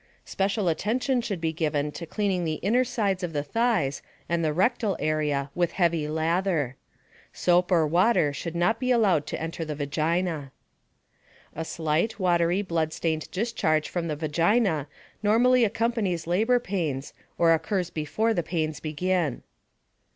Special attention should be given to cleaning the inner sides of the thighs and the rectal area with heavy lather. Soap or water should not be allowed to enter the vagina. A slight, watery, bloodstained discharge from the vagina normally accompanies labor pains or occurs before the pains begin.